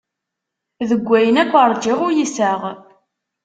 Deg wayen akk rǧiɣ uyseɣ.